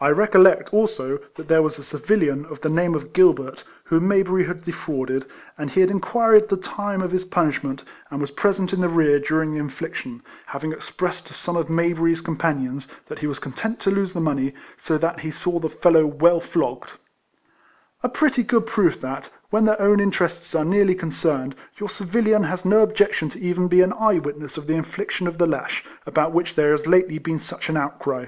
I recollect, also, that there was a civilian, of the name of Gilbert, whom Mayberry had defrauded, and he had in quired the time of his punishment, and was present in the rear during the infliction, hav ing expressed to some of ]\layberry's compa nions that he was content to lose the money, so that he saw the fellow well flogged :— a pretty good proof that, when their own interests are nearly concerned, your civilian has no objection to even be an e3^e witness of the infliction of the lash, about which there has lately been such an outcry.